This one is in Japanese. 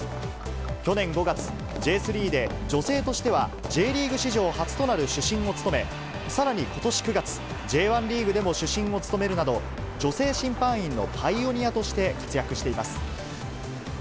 去年５月、Ｊ３で女性としてはＪリーグ史上初となる主審を務め、さらにことし９月、Ｊ１リーグでも主審を務めるなど、女性審判員のパイオニアとして活躍しています。